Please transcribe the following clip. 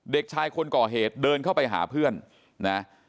เด็กชายคนก่อเหตุเดินเข้าไปหาเพื่อนนะ